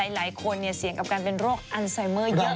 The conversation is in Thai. หลายคนเนี่ยเสี่ยงกับการเป็นโรคอัลไซเมอร์